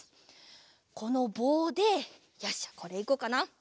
このぼうでよしこれいこうかな。